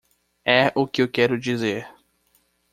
É o que eu quero dizer.